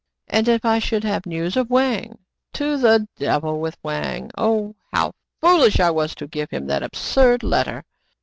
" And if I should have news of Wang }" "To the devil with Wang! Oh, how foolish I was to give him that absurd letter!